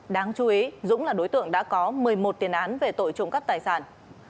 đáng chú ý dũng là đối tượng đã có một mươi một tiền án về tội trộm cắp tài sản